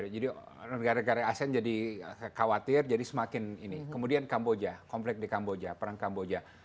jadi negara negara asean jadi khawatir jadi semakin ini kemudian kamboja konflik di kamboja perang kamboja